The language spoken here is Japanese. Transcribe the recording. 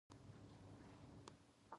もうあきた